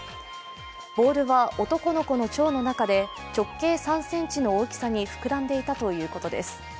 ボールは男の子の腸の中で直径３ｃｍの大きさに膨らんでいたということです。